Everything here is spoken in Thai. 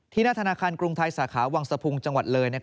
หน้าธนาคารกรุงไทยสาขาวังสะพุงจังหวัดเลย